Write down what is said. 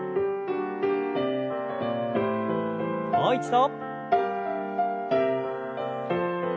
もう一度。